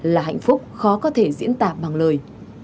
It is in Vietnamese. là hạnh phúc khó có thể diễn tả bằng lời